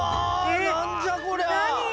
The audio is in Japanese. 何じゃこりゃ！